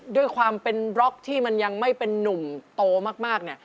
ด้วยความเป็นบล็อกที่มันยังไม่เป็นนุ่มโตมาก